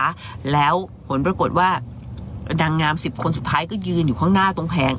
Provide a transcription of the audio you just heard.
แล้วผลปรากฏว่านางงามสิบคนสุดท้ายก็ยืนอยู่ข้างหน้าตรงแผง